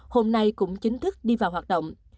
hôm nay cũng chính thức đi vào hoạt động